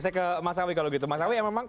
saya ke mas kawi kalau gitu mas kawi memang